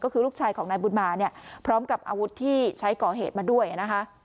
ก็คือลูกชายของนายบุญมาเนี่ยพร้อมกับอาวุธที่ใช้ก่อเหตุมาด้วยนะคะ